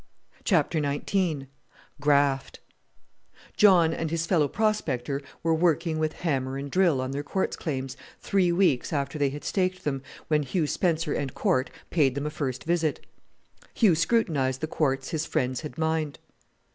CHAPTER XIX GRAFT John and his fellow prospector were working with hammer and drill on their quartz claims, three weeks after they had staked them, when Hugh Spencer and Corte paid them a first visit. Hugh scrutinized the quartz his friends had mined.